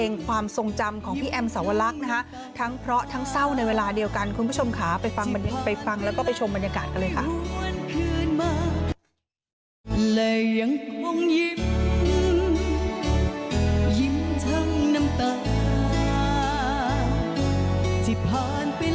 อยากเก็บเอาไว้แค่เพียงสิ่งดี